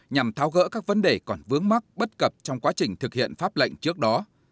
nhằm tháo gỡ các vấn đề còn vướng mắc bất cập trong quá trình thực hiện pháp lệnh trước đó